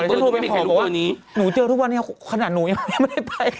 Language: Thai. เพราะว่าหนูเจอทุกวันขนาดหนูยังไม่ได้ไป